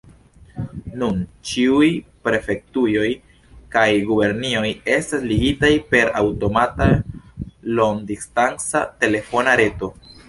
Nun ĉiuj prefektujoj kaj gubernioj estas ligitaj per aŭtomata longdistanca telefona reto.